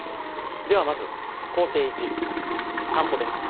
ではまず行程１散歩です。